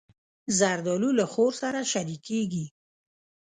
زردالو له خور سره شریکېږي.